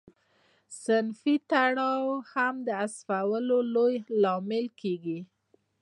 صنفي تړاو هم د حذفولو لامل کیږي.